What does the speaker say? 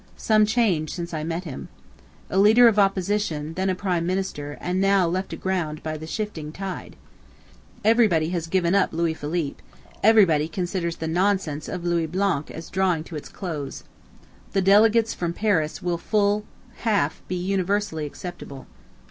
Some change since I met him. A leader of opposition, then a prime minister, and now left aground by the shifting tide." ... "Everybody has given up Louis Philippe, everybody considers the nonsense of Louis Blanc as drawing to its close. The delegates from Paris will full half be universally acceptable.